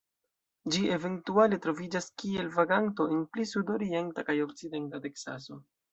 Ĝi eventuale troviĝas kiel vaganto en pli sudorienta kaj okcidenta Teksaso.